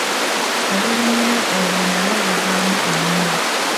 Obulimiro obwo nabwo buvaamu emmere.